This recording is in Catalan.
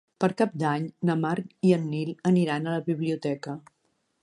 Per Cap d'Any na Mar i en Nil aniran a la biblioteca.